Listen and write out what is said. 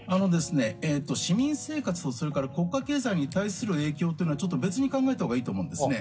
市民生活と国家経済に対する影響というのはちょっと別に考えたほうがいいと思います。